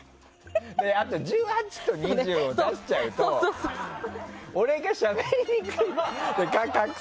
あと１８と２０を出しちゃうと俺がしゃべりにくい。